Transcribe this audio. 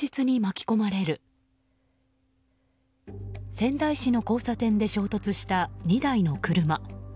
仙台市の交差点で衝突した２台の車。